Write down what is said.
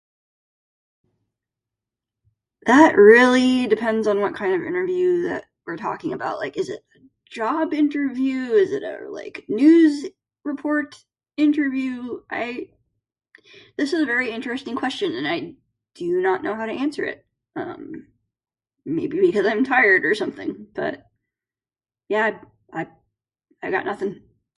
That really depends on what kind of interview that we're talking about. Like, is it a job interview? Is it a, like, news report interview? I... This is a very interesting question and I do not know how to answer it. Um, maybe because I'm tired or something, but... Yeah, I.. I got nothing.